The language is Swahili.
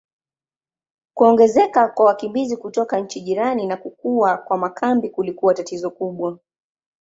Kuongezeka kwa wakimbizi kutoka nchi jirani na kukua kwa makambi kulikuwa tatizo kubwa.